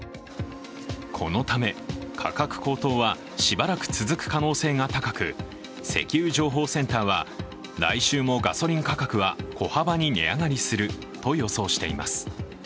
このため価格高騰はしばらく続く可能性が高く石油情報センターは来週もガソリン価格は小幅に値上がりすると予想しています。